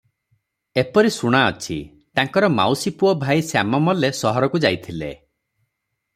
ଏପରି ଶୁଣାଅଛି, ତାଙ୍କର ମାଉସି ପୁଅ ଭାଇ ଶ୍ୟାମ ମଲ୍ଲେ ସହରକୁ ଯାଇଥିଲେ